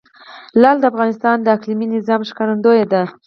لعل د افغانستان د اقلیمي نظام ښکارندوی ده.